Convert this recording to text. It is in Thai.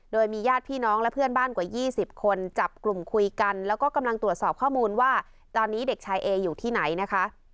โดยมีญาติพี่น้องและเพื่อนบ้านกว่า๒๐คนจับกลุ่มคุยกันแล้วก็กำลังตรวจสอบข้อมูลว่าตอนนี้เด็กชายเออยู่ที่ไหนนะคะ